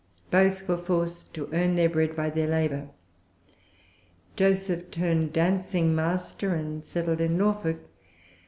Both were forced to earn their bread by their labor. Joseph turned dancing master, and settled in Norfolk.